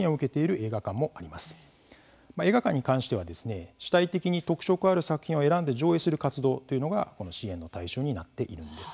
映画館に関しては主体的に特色ある作品を選んで上映する活動というのが、この支援の対象になっているんです。